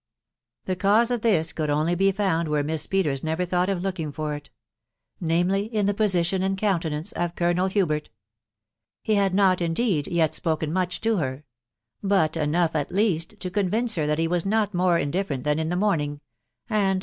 The cause of this could only be found where Mist Petal never thought of looking for it, — namely, in the potation aid countenance of Colonel Hubert. He had! not,' indeed, yet spoken much to her ; but enough, at least, to convince her that he was not more indifferent than in the morning, and